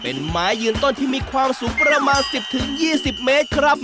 เป็นไม้ยืนต้นที่มีความสูงประมาณ๑๐๒๐เมตรครับ